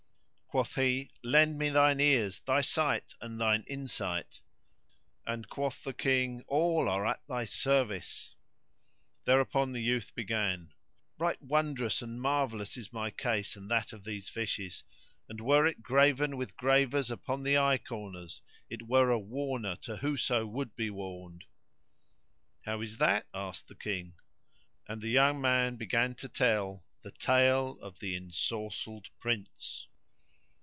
Quoth he, "Lend me thine ears, thy sight and thine insight;" and quoth the King, "All are at thy service!" Thereupon the youth began, "Right wondrous and marvellous is my case and that of these fishes; and were it graven with gravers upon the eye corners it were a warner to whoso would be warned." "How is that?" asked the King, and the young man began to tell The Tale of the Ensorcelled Prince.